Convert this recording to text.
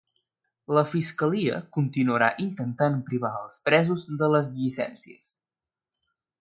La fiscalia continuarà intentant privar els presos de les llicències?